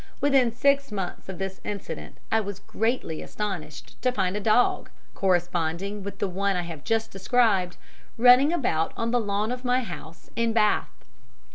Within six months of this incident I was greatly astonished to find a dog, corresponding with the one I have just described, running about on the lawn of my house in Bath.